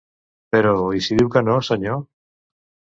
Però, i si diu que no, senyor?